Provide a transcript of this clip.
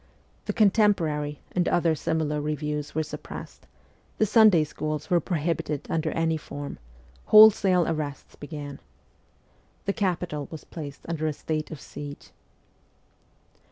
' The Contemporary ' and other similar reviews were suppressed ; the Sunday schools were prohibited under any form; wholesale arrests began. The capital was placed under a state of siege.